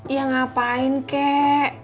ya ngapain kek